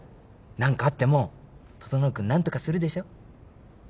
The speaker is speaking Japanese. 何かあっても整君何とかするでしょ。